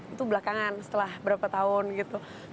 itu belakangan setelah berapa tahun gitu